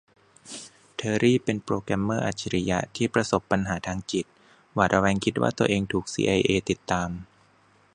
เทอร์รีเป็นโปรแกรมเมอร์อัจฉริยะที่ประสบปัญหาทางจิต หวาดระแวงคิดว่าตัวเองถูกซีไอเอติดตาม